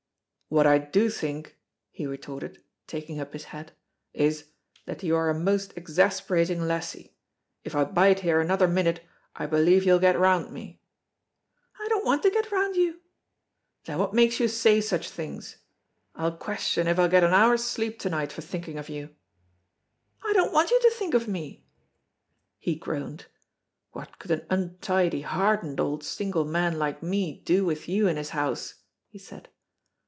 "What I do think," he retorted, taking up his hat, "is, that you are a most exasperating lassie. If I bide here another minute I believe you'll get round me." "I don't want to get round you." "Then what makes you say such things? I question if I'll get an hour's sleep to night for thinking of you!" "I don't want you to think of me!" He groaned. "What could an untidy, hardened old single man like me do with you in his house?" he said.